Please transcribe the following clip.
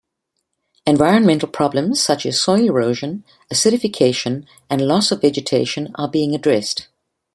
Environmental problems such as soil erosion, acidification, and loss of vegetation are being addressed.